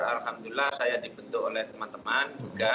alhamdulillah saya dibentuk oleh teman teman juga